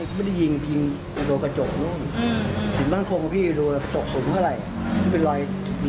ก็ไม่ได้ยิงดูกระจกสิ่งบ้านคงของพี่ดูกระจกสูงเข้าไปเลย